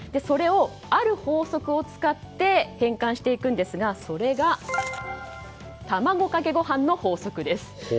それをある法則を使って変換していくんですがそれが、卵かけご飯の法則です。